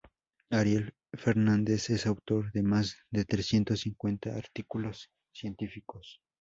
Ariel Fernández es autor de más de trescientos cincuenta artículos científicos.